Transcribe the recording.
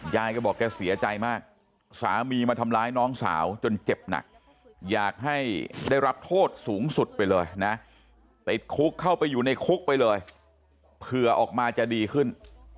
ยายก็บอกแกเสียใจมากสามีมาทำร้ายน้องสาวจนเจ็บหนักอยากให้ได้รับโทษสูงสุดไปเลยนะติดคุกเข้าไปอยู่ในคุกไปเลยเผื่อออกมาจะดีขึ้น